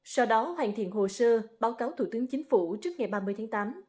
sau đó hoàn thiện hồ sơ báo cáo thủ tướng chính phủ trước ngày ba mươi tháng tám